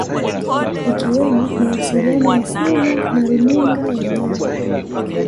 Ikiwemo mawasiliano ya simu na runinga ya nyaya